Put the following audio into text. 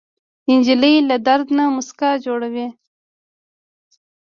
نجلۍ له درد نه موسکا جوړوي.